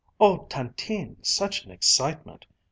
"Oh, Tantine, such an excitement!